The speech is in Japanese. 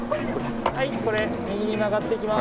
はいこれ右に曲がっていきます。